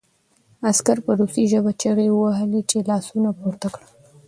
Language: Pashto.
عسکر په روسي ژبه چیغې وهلې چې لاسونه پورته کړه